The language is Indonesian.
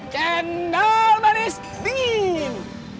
jendol manis dingin